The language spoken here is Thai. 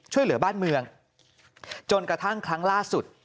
ช่วยเหลือบ้านเมืองจนกระทั่งครั้งล่าสุด